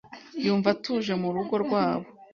Yumva atuje mu rugo rwabo.